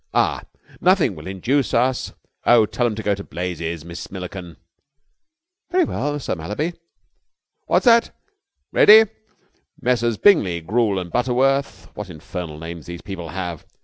Ah! ... nothing will induce us ... oh, tell 'em to go to blazes, Miss Milliken." "Very well, Sir Mallaby." "That's that. Ready? Messrs. Brigney, Goole and Butterworth. What infernal names these people have.